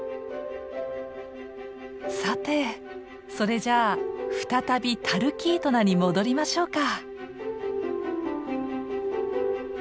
さてそれじゃあ再びタルキートナに戻りましょうか。